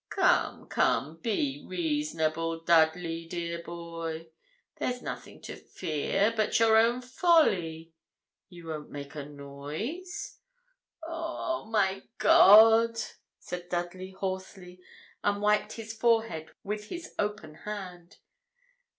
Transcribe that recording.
'Come, come, be reasonable, Dudley, dear boy. There's nothing to fear but your own folly. You won't make a noise?' 'Oh, oh, my God!' said Dudley, hoarsely, and wiped his forehead with his open hand.